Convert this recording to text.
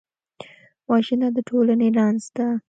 وژنه د ټولنې رنځ ده